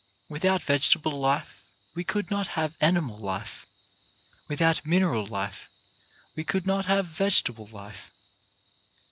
Without vegetable life we could not have animal life; without mineral life we could not have vegetable life.